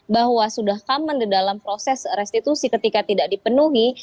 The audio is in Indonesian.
bahwa sudah common di dalam proses restitusi ketika tidak dipenuhi